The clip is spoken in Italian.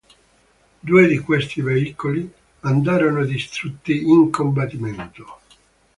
Due di questi veicoli andarono distrutti in combattimento.